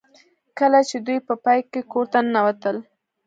کله چې دوی په پای کې کور ته ننوتل